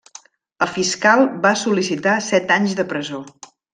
El fiscal va sol·licitar set anys de presó.